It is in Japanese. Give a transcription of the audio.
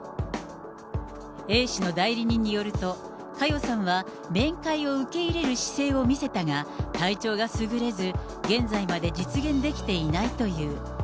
Ａ氏の代理人によると、佳代さんは面会を受け入れる姿勢を見せたが、体調がすぐれず、現在まで実現できていないという。